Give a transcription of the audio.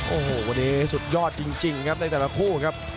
โอ้โหวันนี้สุดยอดจริงครับในแต่ละคู่ครับ